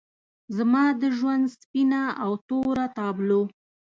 زما د ژوند سپینه او توره تابلو